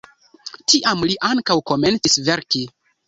Tiam li ankaŭ komencis verki.